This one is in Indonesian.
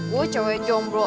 gue cowok yang jomblo